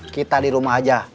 kita di rumah aja